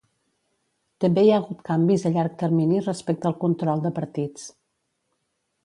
També hi ha hagut canvis a llarg termini respecte al control de partits.